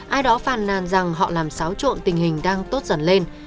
ai đó phàn nàn rằng họ làm xáo trộn tình hình đang tốt dần lên